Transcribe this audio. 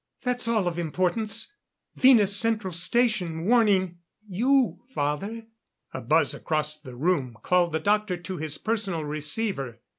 "That's all of importance. Venus Central Station warning you, father." A buzz across the room called the doctor to his personal receiver.